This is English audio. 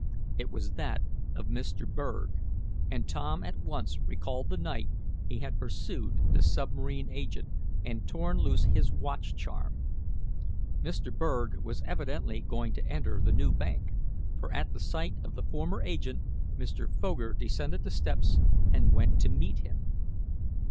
It was that of Mr. Berg, and Tom at once recalled the night he had pursued the submarine agent, and torn loose his watch charm. Mr. Berg was evidently going to enter the new bank, for, at the sight of the former agent, Mr. Foger descended the steps, and went to meet him.